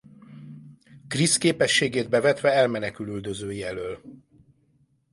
Cris képességét bevetve elmenekül üldözői elől.